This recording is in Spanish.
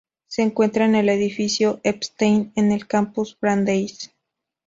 Se encuentra en el edificio Epstein en el campus Brandeis.